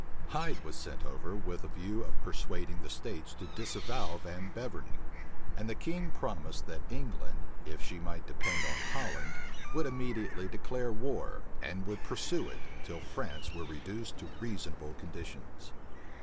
Hyde was sent over with a view of persuading the states to disavow Van Beverning; and the king promised that England, if she might depend on Holland, would immediately declare war, and would pursue it, till France were reduced to reasonable conditions.